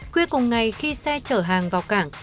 cuối cùng ngày khi xe chở hàng vào cảng